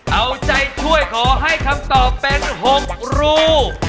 เอาใจช่วยขอให้คำตอบเป็น๖รู